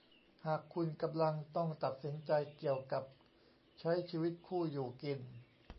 หากคุณกำลังต้องตัดสินใจเกี่ยวกับใช้ชีวิตคู่อยู่กิน